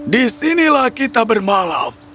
disinilah kita bermalam